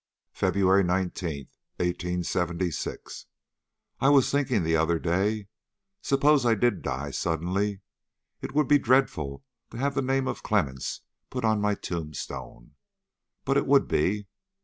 "FEBRUARY 19, 1876. I was thinking the other day, suppose I did die suddenly. It would be dreadful to have the name of Clemmens put on my tombstone! But it would be.